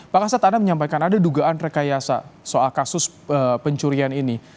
pak kasat anda menyampaikan ada dugaan rekayasa soal kasus pencurian ini